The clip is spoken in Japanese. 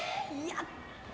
やった！